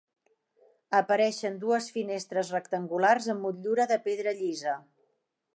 Apareixen dues finestres rectangulars amb motllura de pedra llisa.